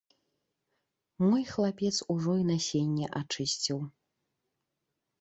Мой хлапец ужо і насенне ачысціў.